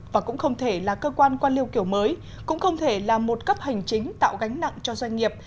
và cũng không thể là cơ quan quan liêu kiểu mới cũng không thể là một cấp hành chính tạo gánh nặng cho doanh nghiệp